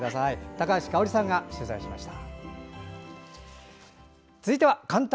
高橋香央里さんが取材しました。